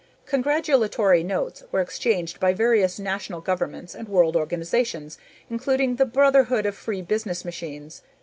Congratulatory notes were exchanged by various national governments and world organizations, including the Brotherhood of Free Business Machines.